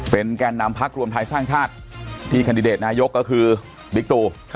เป็นแก่นนามพักรวมภัยสร้างชาติที่คันดิเดตนายกก็คือบิกตู